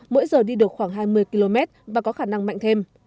mỗi giờ đi được khoảng hai mươi km và có khả năng mạnh thêm